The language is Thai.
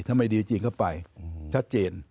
ไม่ดีจริงก็ไปชัดเจน